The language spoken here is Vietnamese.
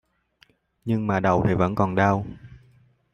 Nhưng mà đầu thì vẫn còn đau